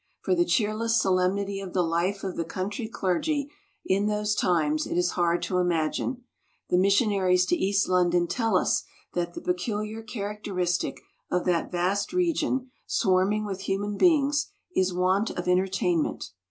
For the cheerless solemnity of the life of the country clergy in those times it is hard to imagine. The missionaries to East London tell us that the peculiar characteristic of that vast region, swarming with human beings, is want of entertainment.